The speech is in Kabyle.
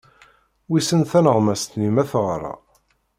Wissen taneɣmast-nni ma teɣra?